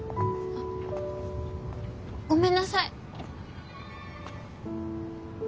あごめんなさい。